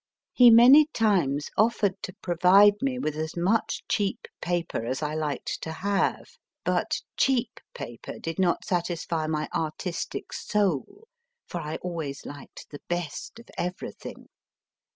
He many times offered to provide me with as much cheap paper as I liked to have ; but cheap paper did not satisfy my artistic soul, for I always liked the best of everything.